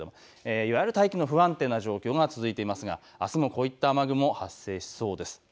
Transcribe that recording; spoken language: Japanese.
いわゆる大気の不安定な状況が続いていますが、あすもこういった雨雲が発生しそうです。